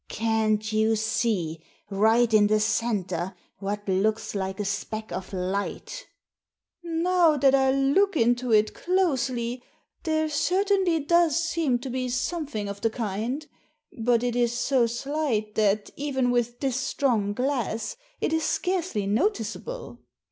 " Can't you see, right in the centre, what looks like a speck of light ?" "Now that I look into it closely, there certainly does seem to be something of the kind. But it is so slight that, even with this strong glass, it is scarcely noticeable."